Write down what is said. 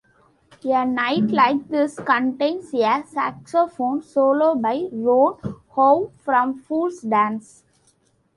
"A Night Like This" contains a saxophone solo by Ron Howe from Fools Dance.